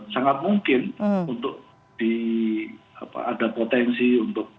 sangat mungkin untuk ada potensi untuk